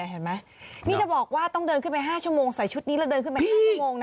เห็นไหมนี่จะบอกว่าต้องเดินขึ้นไป๕ชั่วโมงใส่ชุดนี้แล้วเดินขึ้นไป๕ชั่วโมงนะ